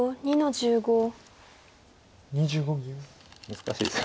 難しいです。